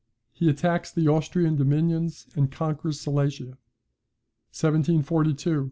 He attacks the Austrian dominions, and conquers Silesia.